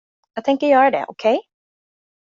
Jag tänker göra det, okej?